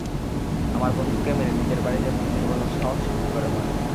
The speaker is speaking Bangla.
আমার বন্ধুকে মেরে নিজের বাড়িকে মন্দির বলার সাহস কি করে হয়!